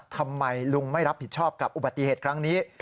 ทำไมลุงไม่รับผิดชอบกับอุบัติเหตุครั้งนี้